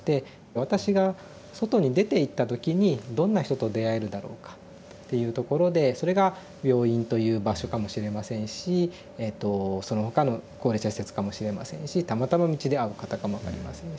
私が外に出ていった時にどんな人と出会えるだろうかっていうところでそれが病院という場所かもしれませんしそのほかの高齢者施設かもしれませんしたまたま道で会う方かも分かりませんし。